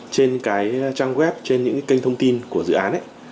trên cái trang web trên những cái kênh thông tin của dự án ấy